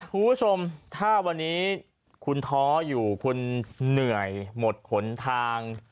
คุณผู้ชมถ้าวันนี้คุณท้ออยู่คุณเหนื่อยหมดหนทาง